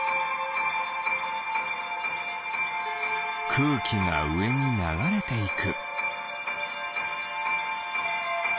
くうきがうえにながれていく。